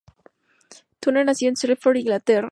Turner nació en Sheffield, Inglaterra.